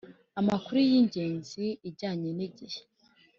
Amakuru y ingenzi ijyanye n igihe